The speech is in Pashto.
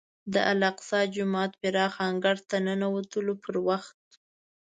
د الاقصی جومات پراخ انګړ ته د ننوتلو پر وخت.